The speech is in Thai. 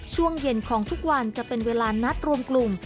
ช่วงเย็นของทุกวันจะเป็นเวลานัดรวมกลุ่ม